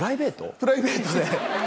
プライベートで。